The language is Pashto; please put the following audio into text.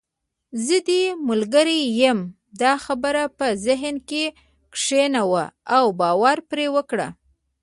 زه دې ملګرې یم، دا خبره په ذهن کې کښېنوه او باور پرې وکړه.